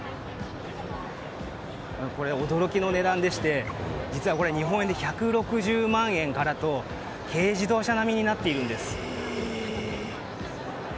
驚きの値段でして実はこれ日本円で１６０万円からと軽自動車並みになっているんです。